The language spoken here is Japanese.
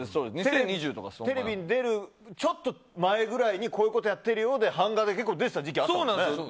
テレビに出るちょっと前ぐらいにこういうことやってるよで版画で出てた時期あったよね。